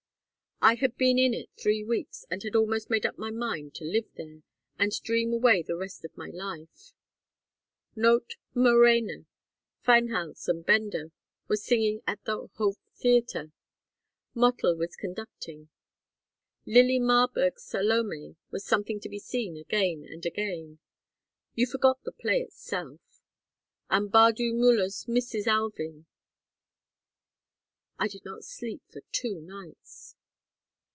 I had been in it three weeks and had almost made up my mind to live there, and dream away the rest of my life. Knote and Moréna, Feinhals and Bender were singing at the Hof Theatre. Mottl was conducting. Lili Marberg's Salome was something to be seen again and again. You forgot the play itself. And Bardou Müller's Mrs. Alving! I did not sleep for two nights.